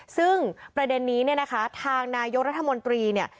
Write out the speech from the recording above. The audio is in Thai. ซึ่งประเด็นนี้เนี่ยนะคะทางนายกรัฐมนตรีเนี่ย